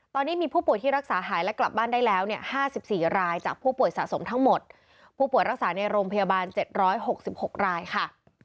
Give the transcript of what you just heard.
ตอนนี้มีผู้ป่วยที่รักษาหายและกลับบ้านได้แล้วเนี่ยห้าสิบสี่รายจากผู้ป่วยสะสมทั้งหมดผู้ป่วยรักษาในโรงพยาบาลเจ็ดร้อยหกสิบหกรายค่ะ